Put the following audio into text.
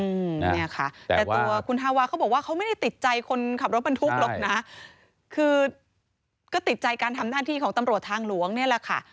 อืมเนี่ยค่ะแต่ตัวคุณฮาวาเขาบอกว่าเขาไม่ได้ติดใจคนขับรถบรรทุกหรอกนะคือก็ติดใจการทำหน้าที่ของตำรวจทางหลวงเนี่ยแหละค่ะ